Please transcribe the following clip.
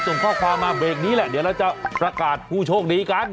ส่งข้อความมาเบรกนี้แหละเดี๋ยวเราจะประกาศผู้โชคดีกัน